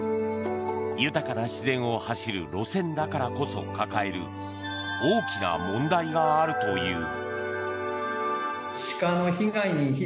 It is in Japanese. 豊かな自然を走る路線だからこそ抱える大きな問題があるという。